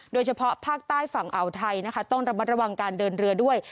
โดยเฉพาะภาคใต้ฝั่งอ่าวไทยนะคะต้องระมัดระวังการเดินเรือด้วย